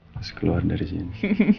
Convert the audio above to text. terus keluar dari sini